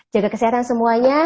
jaga kesehatan semuanya